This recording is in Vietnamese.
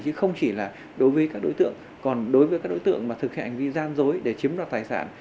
chứ không chỉ là đối với các đối tượng còn đối với các đối tượng mà thực hiện hành vi gian dối để chiếm đoạt tài sản